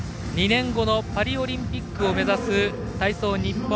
２年後のパリオリンピックを目指す体操日本。